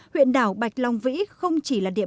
huyện đảo bạch long vĩ không chỉ là địa